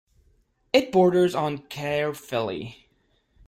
It borders on Caerphilly.